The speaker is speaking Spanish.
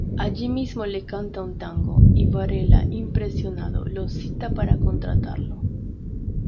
Allí mismo le canta un tango, y Varela, impresionado, lo cita para contratarlo.